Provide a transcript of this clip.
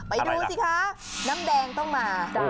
ดูสิคะน้ำแดงต้องมา